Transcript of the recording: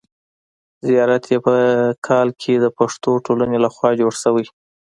زیارت یې په کال کې د پښتو ټولنې له خوا جوړ شوی.